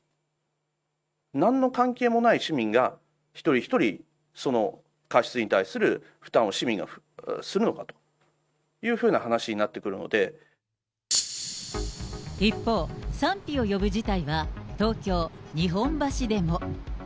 なんの関係もない市民が一人一人、その過失に対する負担を市民がするのかというふうな話になってく一方、賛否を呼ぶ事態は東京・日本橋でも。